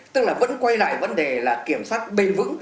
tức là vẫn quay lại vấn đề là kiểm soát bền vững